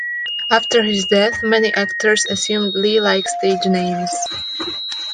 After his death, many actors assumed Lee-like stage names.